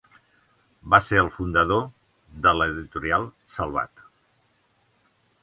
Va ser el fundador de l'Editorial Salvat.